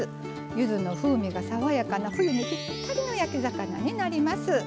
ゆずの風味が爽やかな冬にぴったりの焼き魚になります。